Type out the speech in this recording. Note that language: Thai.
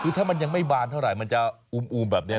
คือถ้ามันยังไม่บานเท่าไหร่มันจะอูมแบบนี้